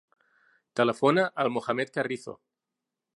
Telefona al Mohamed Carrizo.